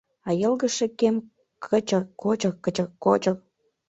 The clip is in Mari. А йылгыжше кем — кычыр-кочыр, кычыр-кочыр...